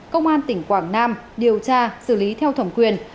công an tỉnh quảng nam điều tra xử lý theo thẩm quyền